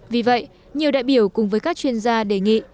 vì vậy nhiều đại biểu cùng với các chuyên gia đề nghị